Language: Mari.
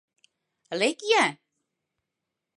Лек-я!